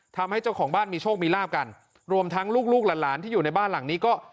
ทำให้เจ้าของบ้านมีโชคมีลาบกันรวมทั้งลูกลูกหลานหลานที่อยู่ในบ้านหลังนี้ก็